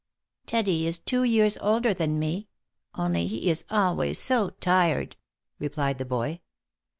" Teddy is two years older than me — only he is always so tired," replied the boy.